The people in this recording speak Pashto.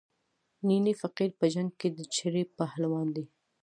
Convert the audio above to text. نینی فقیر په جنګ کې د چړې پهلوان دی.